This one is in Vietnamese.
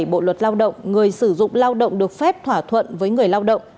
bộ luật lao động người sử dụng lao động được phép thỏa thuận với người lao động